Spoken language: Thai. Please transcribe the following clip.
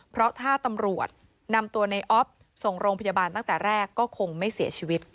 เพราะถ้าตำรวจนำตัวในออฟส่งโรงพยาบาลตั้งแต่แรกก็คงไม่เสียชีวิต